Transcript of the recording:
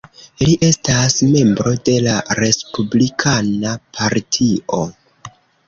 Li estas membro de la Respublikana Partio.